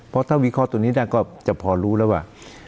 เพราะถ้าวิเคราะห์ตัวนี้ได้ก็จะพอรู้แล้วว่า